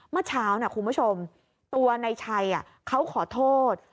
เมื่อเช้าครูผู้ชมตัวในชัยเขาขอโทษ